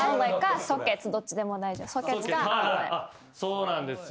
そうなんですよ。